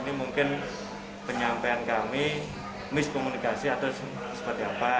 ini mungkin penyampaian kami miskomunikasi atau seperti apa